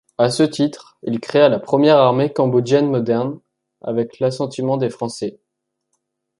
À ce titre, il créa la première armée cambodgienne moderne, avec l’assentiment des Français.